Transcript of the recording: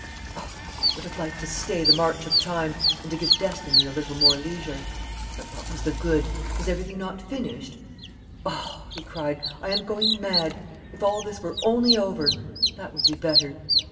Oh, how he would have liked to stay the march of time and to give destiny a little more leisure! But what was the good? Was everything not finished? ... "Oh," he cried, "I am going mad! If all this were only over ... that would be better.